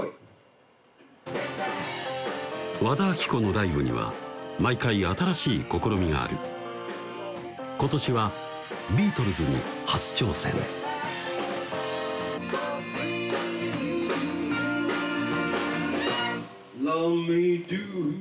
和田アキ子のライブには毎回新しい試みがある今年は「ビートルズ」に初挑戦「Ｓｏｐｌｅａｓｅ」「ｌｏｖｅｍｅｄｏ．」